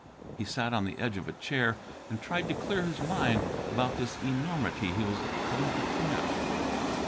He sat on the edge of a chair and tried to clear his mind about this enormity he was going to commit.